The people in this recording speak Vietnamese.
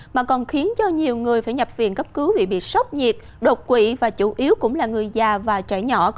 mà còn khiến cho nhiều người phải nhập viện cấp cứu vì bị sốc nhiệt đột quỵ và chủ yếu cũng là người già và trẻ nhỏ